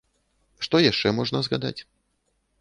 Што яшчэ можна згадаць?